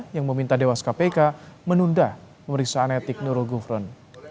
yang meminta dewas kpk menunda pemeriksaan etik nurul gufron